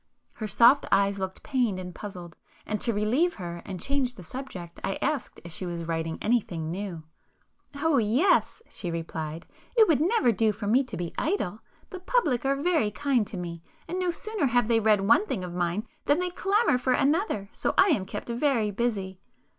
Her soft eyes looked pained and puzzled, and to relieve her and change the subject, I asked if she was writing anything new. "Oh yes,"—she replied—"It would never do for me to be idle. The public are very kind to me,—and no sooner have they read one thing of mine than they clamour for another, so I am kept very busy."